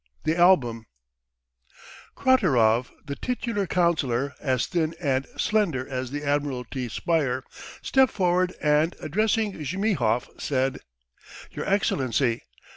.. THE ALBUM KRATEROV, the titular councillor, as thin and slender as the Admiralty spire, stepped forward and, addressing Zhmyhov, said: "Your Excellency!